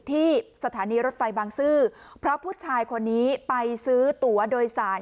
ที่สถานีรถไฟบางซื่อเพราะผู้ชายคนนี้ไปซื้อตัวโดยสาร